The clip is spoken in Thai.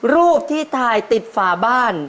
รูปที่ถ่ายติดฝาบ้าน